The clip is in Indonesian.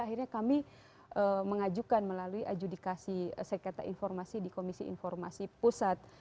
akhirnya kami mengajukan melalui adjudikasi sekretar informasi di komisi informasi pusat